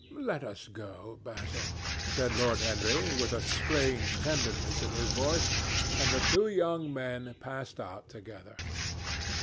"Let us go, Basil," said Lord Henry with a strange tenderness in his voice, and the two young men passed out together.